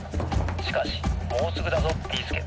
しかしもうすぐだぞビーすけ！」。